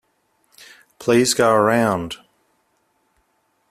Please go around.